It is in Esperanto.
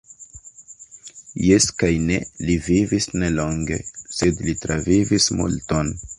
Jes kaj ne; li vivis ne longe, sed li travivis multon.